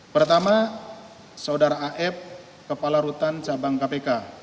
pertama saudara af kepala rutan cabang kpk